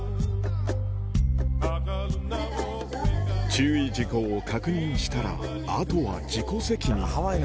注意事項を確認したら、あとは自己責任。